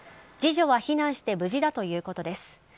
次女は避難して無事だということです。